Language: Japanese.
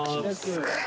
すごい。